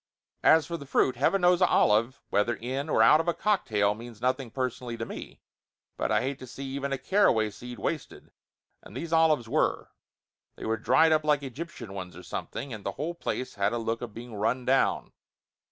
As for the fruit, heaven knows a olive whether in or out of a cocktail, means nothing personally to me, but I hate to see even a cara way seed wasted, and these olives were. They was dried up like Egyptian ones, or something, and the whole place had a look of being run down.